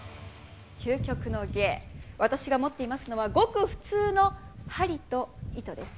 究極の芸、私が持っていますのは、ごく普通の針と糸です。